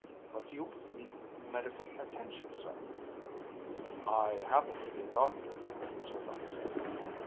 "But you need medical attention, sir." "I happen to be a doctor," Zircon said.